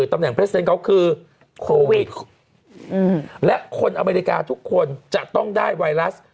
ตำแหน่งเพสเซ็นเขาคือโควิดและคนอเมริกาทุกคนจะต้องได้ไวรัส